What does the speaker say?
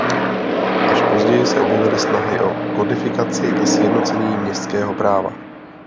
Až později se objevily snahy o kodifikaci a sjednocení městského práva.